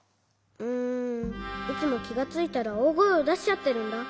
うんいつもきがついたらおおごえをだしちゃってるんだ。